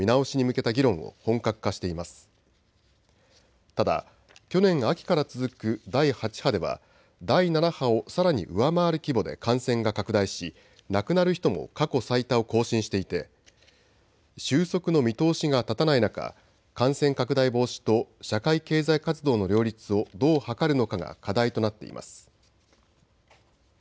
ただ去年秋から続く第８波では第７波をさらに上回る規模で感染が拡大し亡くなる人も過去最多を更新していて収束の見通しが立たない中、感染拡大防止と社会経済活動の両立をどう図るのかが課題となっています。